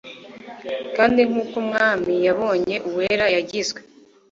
kandi nk uko umwami yabonye uwera wagizwe